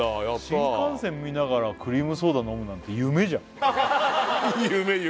新幹線見ながらクリームソーダ飲むなんて夢じゃん夢夢